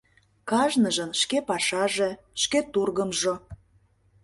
Кажныжын — шке пашаже, шке тургымжо.